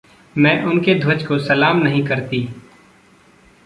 मैं उनके ध्वज को सलाम नहीं करती।